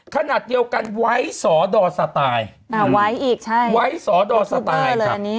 ขนาดเดียวกันไวท์สอดอสตายอ่าไวท์อีกใช่ไวท์สอดอว์สไตล์